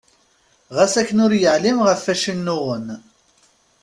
Ɣas akken ur yeɛlim ɣef wacu i nnuɣen.